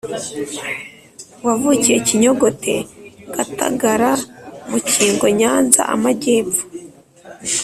wavukiye Kinyogote GatagaraMukingo Nyanza Amajyepfo